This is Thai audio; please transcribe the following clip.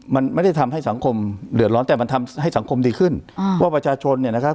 มันไม่ได้ทำให้สังคมเดือดร้อนแต่มันทำให้สังคมดีขึ้นอ่าว่าประชาชนเนี่ยนะครับ